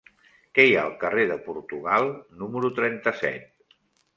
Què hi ha al carrer de Portugal número trenta-set?